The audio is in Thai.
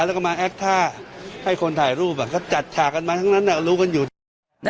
แล้วก็มาแอคท่าให้คนถ่ายรูปอ่ะเขาจัดฉากันมาทั้งนั้นอ่ะ